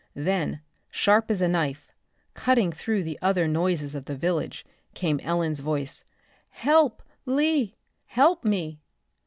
Then, sharp as a knife, cutting through the other noises of the village, came Ellen's voice. "Help, Lee! Help me!"